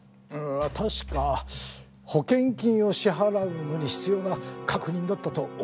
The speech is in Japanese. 確か保険金を支払うのに必要な確認だったと思います。